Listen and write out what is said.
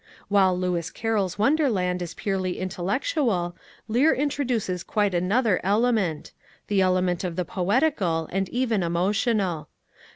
While Lewis Carroll's Wonderland is purely intellectual, Lear introduces quite another element — the element of the po etical and even emotional.